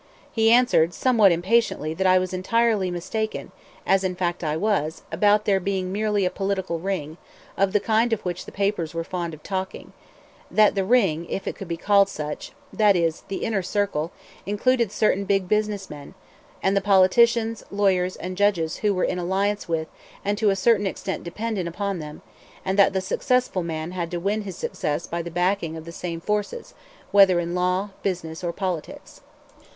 He answered somewhat impatiently that I was entirely mistaken (as in fact I was) about there being merely a political ring, of the kind of which the papers were fond of talking; that the "ring," if it could be called such that is, the inner circle included certain big business men, and the politicians, lawyers, and judges who were in alliance with and to a certain extent dependent upon them, and that the successful man had to win his success by the backing of the same forces, whether in law, business, or politics.